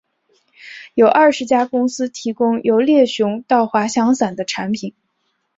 有二十家公司提供由猎熊到滑翔伞的产品。